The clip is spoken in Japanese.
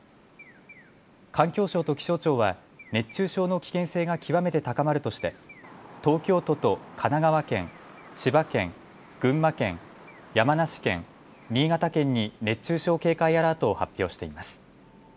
環境省と気象庁は熱中症の危険性が極めて高まるとして東京都と神奈川県、千葉県、群馬県、山梨県、新潟県に熱中症警戒アラートを発表しています。